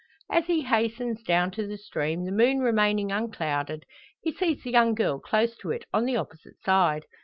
As he hastens down to the stream, the moon remaining unclouded, he sees the young girl close to it on the opposite side.